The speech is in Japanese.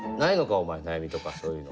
お前悩みとかそういうの。